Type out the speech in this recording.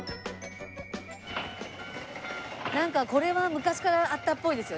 なんかこれは昔からあったっぽいですよね？